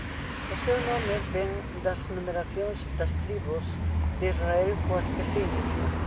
O seu nome vén das numeracións das tribos de Israel coas que se inicia.